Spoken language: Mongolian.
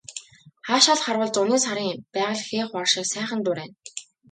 Хаашаа л харвал зуны сарын байгаль хээ хуар шиг сайхан дурайна.